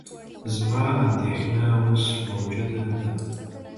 زما اندېښنه اوس موجوده ده.